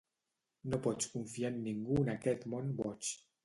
No pots confiar en ningú en aquest món boig.